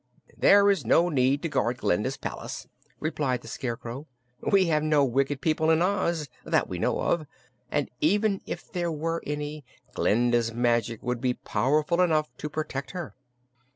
"There is no need to guard Glinda's palace," replied the Scarecrow. "We have no wicked people in Oz, that we know of, and even if there were any, Glinda's magic would be powerful enough to protect her."